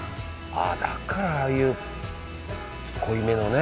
ああだからああいうちょっと濃いめのね